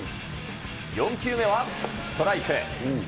４球目はストライク。